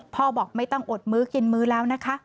บอกไม่ต้องอดมื้อกินมื้อแล้วนะคะ